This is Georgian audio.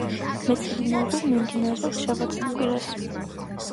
მეცადინეობები მიმდინარეობს შაბათსა და კვირას.